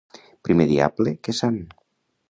Primer diable que sant.